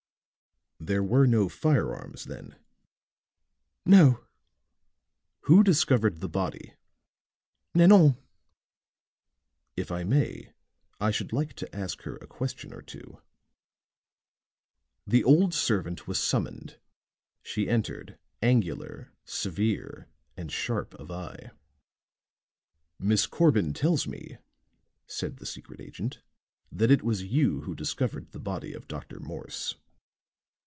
"There were no firearms, then?" "No." "Who discovered the body?" "Nanon." "If I may I should like to ask her a question or two." The old servant was summoned; she entered, angular, severe and sharp of eye. "Miss Corbin tells me," said the secret agent, "that it was you who discovered the body of Dr. Morse."